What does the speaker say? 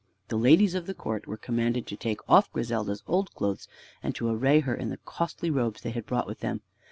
The ladies of the court were commanded to take off Griselda's old clothes and to array her in the costly robes they had brought with them.